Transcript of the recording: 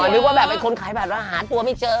มันรู้ว่าแบบคนขายบัตรแล้วหาตัวไม่เจอ